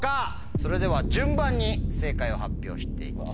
それでは順番に正解を発表して行きます。